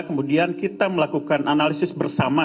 kemudian kita melakukan analisis bersama